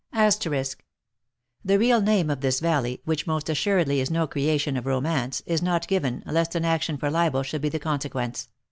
The real name of this valley (which most assuredly is no creation of romance) is not given, lest an action for libel should be the consequence.